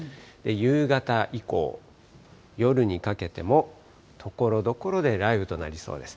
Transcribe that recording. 夕方以降、夜にかけてもところどころで雷雨となりそうです。